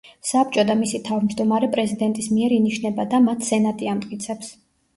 საბჭო და მისი თავმჯდომარე პრეზიდენტის მიერ ინიშნება და მათ სენატი ამტკიცებს.